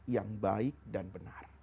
yang baik dan benar